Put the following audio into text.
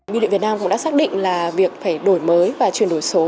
biêu điện việt nam cũng đã xác định là việc phải đổi mới và chuyển đổi số